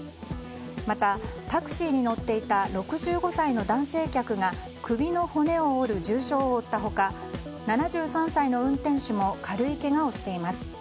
また、タクシーに乗っていた６５歳の男性客が首の骨を折る重傷を負った他７３歳の運転手も軽いけがをしています。